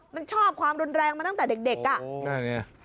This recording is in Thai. มันชอบความรุนแรงมาตั้งแต่เด็กอ่ะนั่นไง